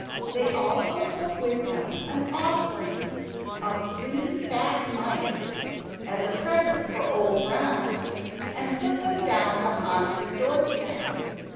They also took with them an offering of three fat mice as a present for Old Brown, and put them down upon his door step.